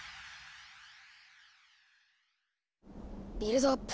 ビルドアップ